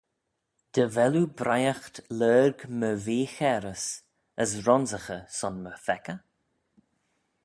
Dy vel oo briaght lurg my vee-chairys, as ronsaghey son my pheccah?